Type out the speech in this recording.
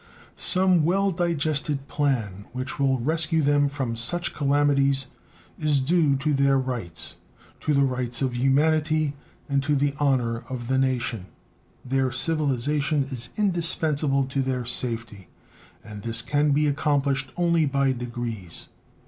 Some well digested plan which will rescue them from such calamities is due to their rights, to the rights of humanity, and to the honor of the nation. Their civilization is indispensable to their safety, and this can be accomplished only by degrees.